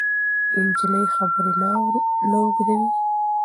نجلۍ خبرې نه اوږدوي.